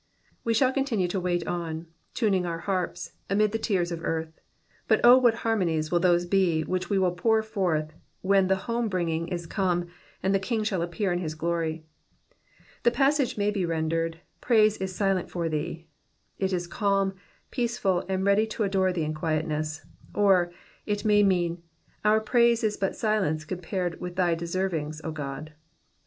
We shall continue to wait on, tuning our harps, amid the tears of eartn ; but O what harmonies will those be which we will pour forth, when the home bringing is come, and the King shall appear in his glory. The passage may be rendered praise is silent for thee ;'^ it is calm, peaceful, and ready to adore thee ia Digitized by VjOOQIC P8ALK THE SIXTY FIFTH. 161 Soietness. Or, it may mean, our praise is but silence compared with thy eservings, O God.